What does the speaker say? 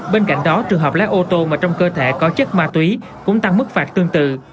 bên cạnh đó trường hợp lái ô tô mà trong cơ thể có chất ma túy cũng tăng mức phạt tương tự